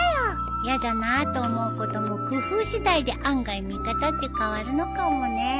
やだなあと思うことも工夫次第で案外見方って変わるのかもねえ。